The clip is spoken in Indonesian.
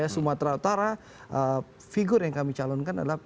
sumatera utara figur yang kami calonkan adalah